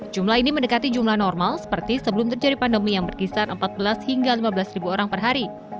jumlah ini mendekati jumlah normal seperti sebelum terjadi pandemi yang berkisar empat belas hingga lima belas ribu orang per hari